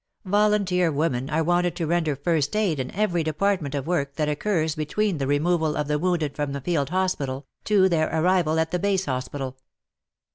Volunteer women are wanted to render first aid in every department of work that occurs between the removal of the wounded from the field hospital, to their arrival at the base hospital.